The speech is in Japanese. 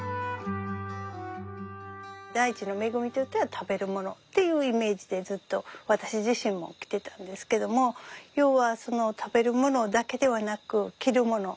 大地の恵みといったら食べるものっていうイメージでずっと私自身もきてたんですけども要は食べるものだけではなく着るもの